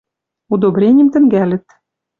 Удобреним тӹнгӓлӹт